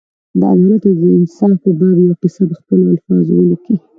د عدالت او انصاف په باب یوه کیسه په خپلو الفاظو ولیکي.